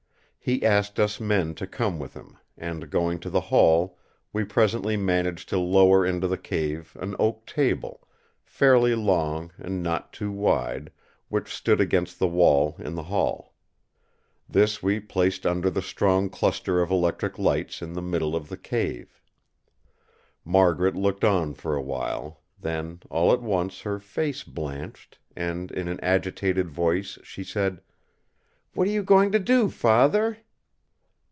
He asked us men to come with him; and going to the hall we presently managed to lower into the cave an oak table, fairly long and not too wide, which stood against the wall in the hall. This we placed under the strong cluster of electric lights in the middle of the cave. Margaret looked on for a while; then all at once her face blanched, and in an agitated voice she said: "What are you going to do, Father?"